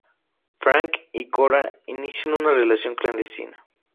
Frank y Cora inician una relación clandestina.